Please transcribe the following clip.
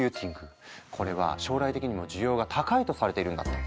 これは将来的にも需要が高いとされているんだって。